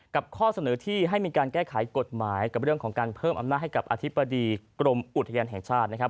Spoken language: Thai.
ข้อเสนอที่ให้มีการแก้ไขกฎหมายกับเรื่องของการเพิ่มอำนาจให้กับอธิบดีกรมอุทยานแห่งชาตินะครับ